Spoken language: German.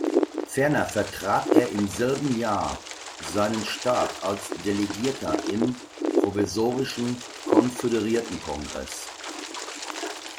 Ferner vertrat er im selben Jahr seinen Staat als Delegierter im Provisorischen Konföderiertenkongress.